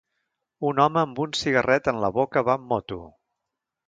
Un home amb un cigarret en la boca va amb moto.